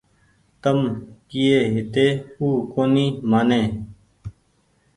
تم ڪيئي هيتي او ڪونيٚ مآني